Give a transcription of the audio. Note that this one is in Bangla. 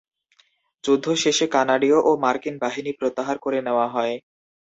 যুদ্ধ শেষে কানাডীয় ও মার্কিন বাহিনী প্রত্যাহার করে নেওয়া হয়।